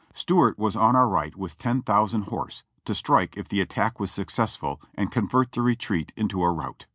Stuart was on our right with ten thousand horse, to strike if the attack was successful and convert the retreat into a rout.